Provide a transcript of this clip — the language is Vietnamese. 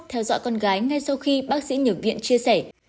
theo dõi con gái ngay sau khi bác sĩ nhập viện chia sẻ